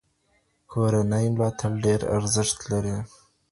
کورنۍ ملاتړ ډېر ارزښت لري.